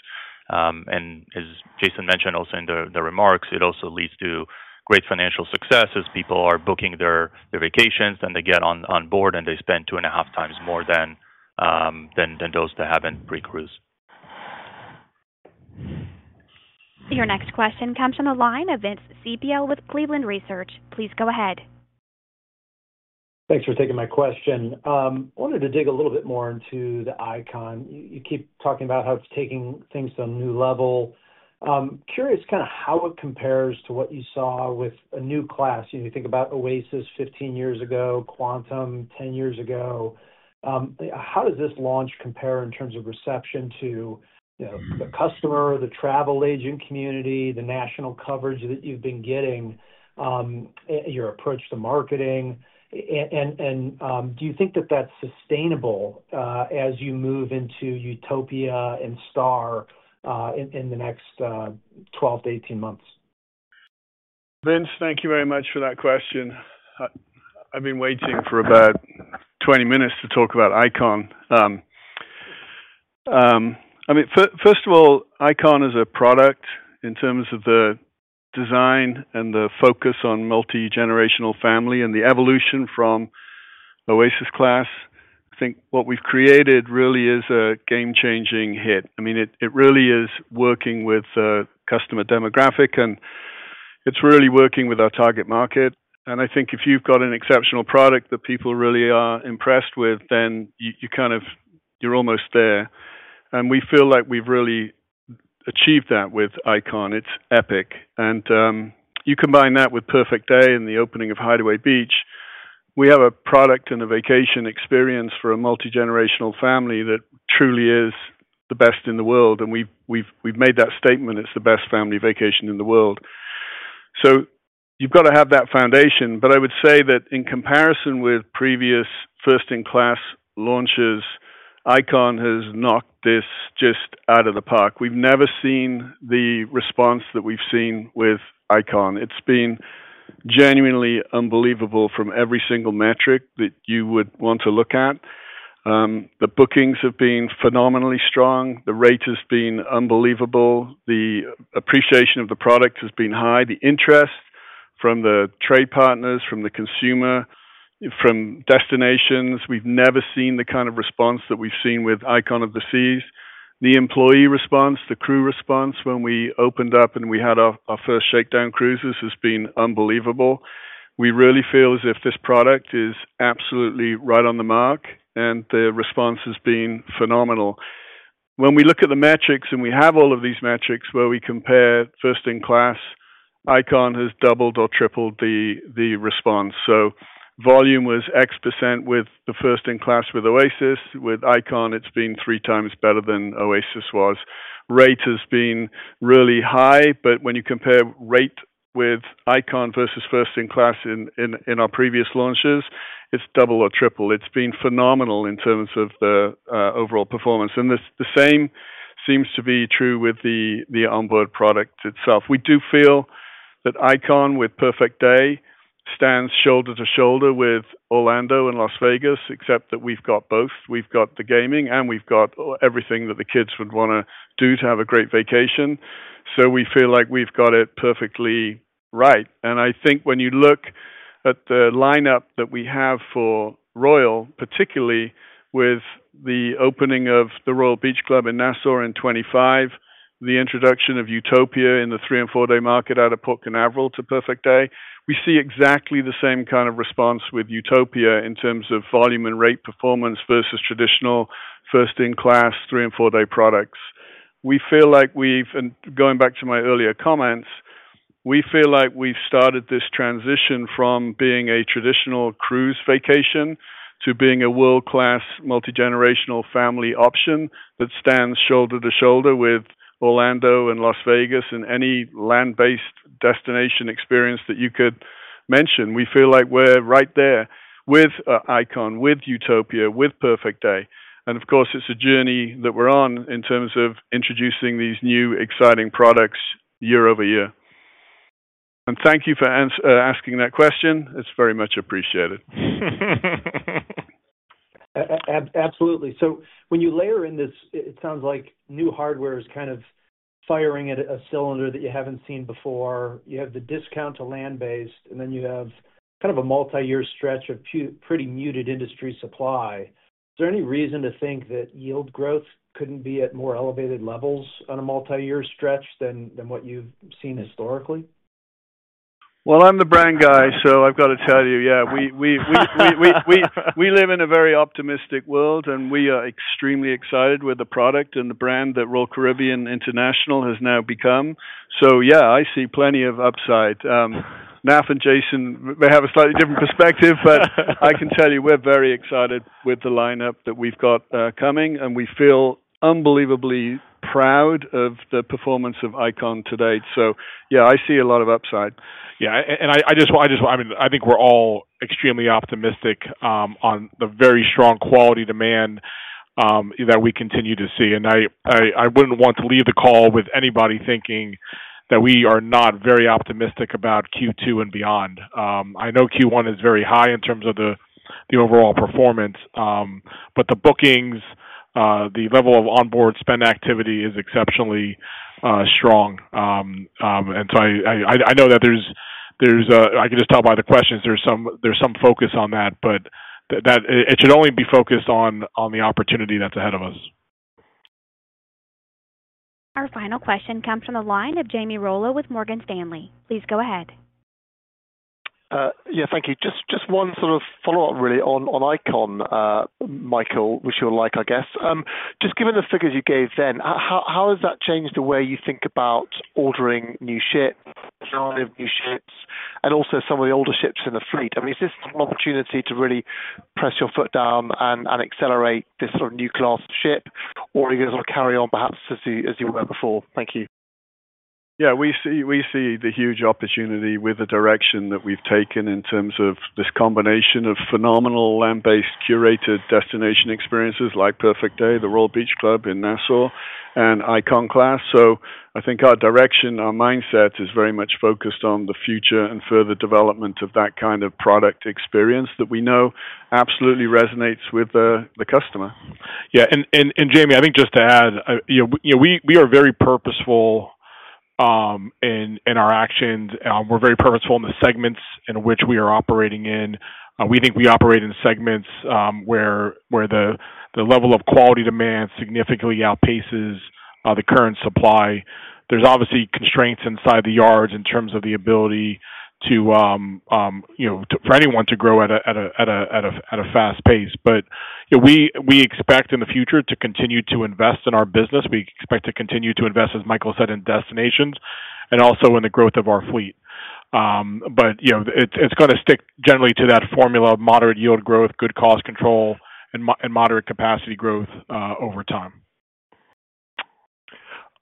And as Jason mentioned also in the remarks, it also leads to great financial success as people are booking their vacations, and they get on board, and they spend two and a half times more than those that haven't pre-cruise. Your next question comes from the line of Vince Ciepiel with Cleveland Research. Please go ahead. Thanks for taking my question. I wanted to dig a little bit more into the Icon. You keep talking about how it's taking things to a new level. Curious kind of how it compares to what you saw with a new class. You know, you think about Oasis 15 years ago, Quantum 10 years ago. How does this launch compare in terms of reception to, you know, the customer, the travel agent community, the national coverage that you've been getting, your approach to marketing? And do you think that that's sustainable as you move into Utopia and Star in the next 12-18 months? Vince, thank you very much for that question. I've been waiting for about 20 minutes to talk about Icon. I mean, first of all, Icon is a product in terms of the design and the focus on multigenerational family and the evolution from Oasis Class. I think what we've created really is a game-changing hit. I mean, it really is working with the customer demographic, and it's really working with our target market. And I think if you've got an exceptional product that people really are impressed with, then you kind of... you're almost there. And we feel like we've really achieved that with Icon. It's epic. You combine that with Perfect Day and the opening of Hideaway Beach; we have a product and a vacation experience for a multigenerational family that truly is the best in the world, and we've made that statement: It's the best family vacation in the world. So you've got to have that foundation. But I would say that in comparison with previous first-in-class launches, Icon has knocked this just out of the park. We've never seen the response that we've seen with Icon. It's been genuinely unbelievable from every single metric that you would want to look at. The bookings have been phenomenally strong, the rate has been unbelievable, the appreciation of the product has been high, the interest from the trade partners, from the consumer, from destinations. We've never seen the kind of response that we've seen with Icon of the Seas. The employee response, the crew response when we opened up and we had our first shakedown cruises, has been unbelievable. We really feel as if this product is absolutely right on the mark, and the response has been phenomenal. When we look at the metrics, and we have all of these metrics, where we compare first in class, Icon has doubled or tripled the response. So volume was X percent with the first in class with Oasis. With Icon, it's been three times better than Oasis was. Rate has been really high, but when you compare rate with Icon versus first in class in our previous launches, it's double or triple. It's been phenomenal in terms of the overall performance. And the same seems to be true with the onboard product itself. We do feel that Icon with Perfect Day stands shoulder to shoulder with Orlando and Las Vegas, except that we've got both. We've got the gaming, and we've got everything that the kids would wanna do to have a great vacation. So we feel like we've got it perfectly right. And I think when you look at the lineup that we have for Royal, particularly with the opening of the Royal Beach Club in Nassau in 2025, the introduction of Utopia in the three and 4-day market out of Port Canaveral to Perfect Day, we see exactly the same kind of response with Utopia in terms of volume and rate performance versus traditional first-in-class, three and 4-day products. And going back to my earlier comments, we feel like we've started this transition from being a traditional cruise vacation to being a world-class, multigenerational family option that stands shoulder to shoulder with Orlando and Las Vegas and any land-based destination experience that you could mention. We feel like we're right there with Icon, with Utopia, with Perfect Day. And of course, it's a journey that we're on in terms of introducing these new, exciting products year over year. And thank you for asking that question. It's very much appreciated. Absolutely. So when you layer in this, it, it sounds like new hardware is kind of firing at a cylinder that you haven't seen before. You have the discount to land-based, and then you have kind of a multiyear stretch of pretty muted industry supply. Is there any reason to think that yield growth couldn't be at more elevated levels on a multiyear stretch than, than what you've seen historically? Well, I'm the brand guy, so I've got to tell you, yeah, we live in a very optimistic world, and we are extremely excited with the product and the brand that Royal Caribbean International has now become. So yeah, I see plenty of upside. Naftali and Jason may have a slightly different perspective, but I can tell you we're very excited with the lineup that we've got coming, and we feel unbelievably proud of the performance of Icon to date. So yeah, I see a lot of upside. Yeah, and I just want, I just want... I mean, I think we're all extremely optimistic on the very strong quality demand that we continue to see. And I wouldn't want to leave the call with anybody thinking that we are not very optimistic about Q2 and beyond. I know Q1 is very high in terms of the overall performance, but the bookings, the level of onboard spend activity is exceptionally strong. And so I know that there's I can just tell by the questions, there's some focus on that, but that it should only be focused on the opportunity that's ahead of us. Our final question comes from the line of Jamie Rollo with Morgan Stanley. Please go ahead. Yeah, thank you. Just one sort of follow-up, really, on Icon, Michael, which you'll like, I guess. Just given the figures you gave then, how has that changed the way you think about ordering new ships, delivery of new ships, and also some of the older ships in the fleet? I mean, is this an opportunity to really press your foot down and accelerate this sort of new class ship, or are you going to carry on, perhaps, as you were before? Thank you. Yeah, we see, we see the huge opportunity with the direction that we've taken in terms of this combination of phenomenal land-based, curated destination experiences like Perfect Day, the Royal Beach Club in Nassau and Icon Class. So I think our direction, our mindset is very much focused on the future and further development of that kind of product experience that we know absolutely resonates with the, the customer. Yeah, and Jamie, I think just to add, you know, we, you know, we are very purposeful in our actions. We're very purposeful in the segments in which we are operating in. We think we operate in segments where the level of quality demand significantly outpaces the current supply. There's obviously constraints inside the yards in terms of the ability to, you know, for anyone to grow at a fast pace. But, you know, we expect in the future to continue to invest in our business. We expect to continue to invest, as Michael said, in destinations and also in the growth of our fleet. But, you know, it's going to stick generally to that formula of moderate yield growth, good cost control and moderate capacity growth, over time.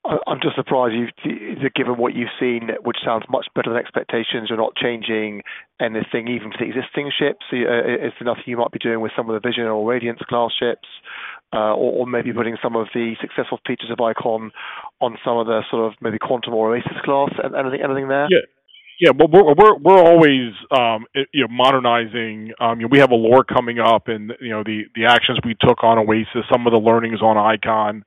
I'm just surprised that, given what you've seen, which sounds much better than expectations, you're not changing anything, even for the existing ships. Is there nothing you might be doing with some of the Vision Class or Radiance Class ships, or maybe putting some of the successful features of Icon on some of the sort of maybe Quantum Class or Oasis Class? Anything there? Yeah. Yeah, but we're always, you know, modernizing. We have Allure coming up and, you know, the actions we took on Oasis, some of the learnings on Icon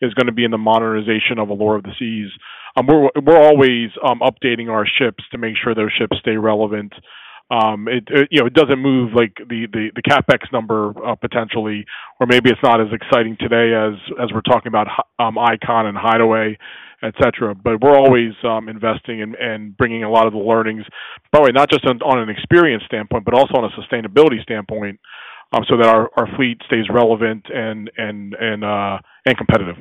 is going to be in the modernization of Allure of the Seas. We're always updating our ships to make sure those ships stay relevant. It, you know, it doesn't move like the CapEx number, potentially, or maybe it's not as exciting today as we're talking about, Icon and Hideaway, et cetera. But we're always investing and bringing a lot of the learnings, probably not just on an experience standpoint, but also on a sustainability standpoint, so that our fleet stays relevant and competitive.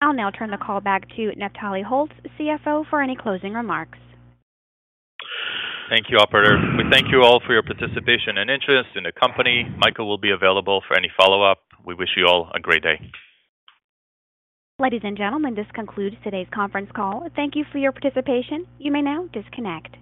I'll now turn the call back to Naftali Holtz, CFO, for any closing remarks. Thank you, operator. We thank you all for your participation and interest in the company. Michael will be available for any follow-up. We wish you all a great day. Ladies and gentlemen, this concludes today's conference call. Thank you for your participation. You may now disconnect.